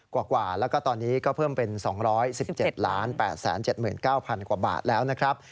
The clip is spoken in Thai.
กว่ากว่าและตอนนี้ก็เพิ่มเป็น๒๑๗ล้าน๘๗๙๐๐๐กว่าบาทแล้ว